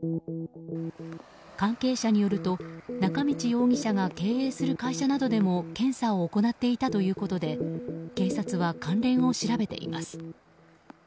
関係者によると中道容疑者が経営する会社などでも検査を行っていたということで警察は関連を調べています。